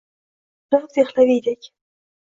Xusrav Dehlaviydek